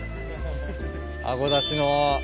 あごだしの。